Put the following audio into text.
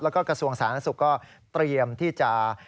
แล้วก็กระทรวงศาลนักศึกก็เตรียมที่จะ